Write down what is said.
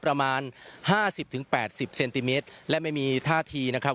ประมาณห้าสิบถึงแปดสิบเซนติเมตรและไม่มีท่าทีนะครับ